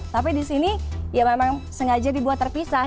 tapi di sini ya memang sengaja dibuat terpisah